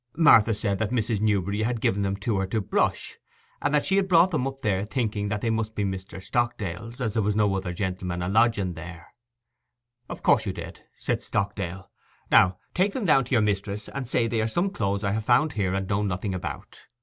Martha said that Mrs. Newberry had given them to her to brush, and that she had brought them up there thinking they must be Mr. Stockdale's, as there was no other gentleman a lodging there. 'Of course you did,' said Stockdale. 'Now take them down to your mis'ess, and say they are some clothes I have found here and know nothing about.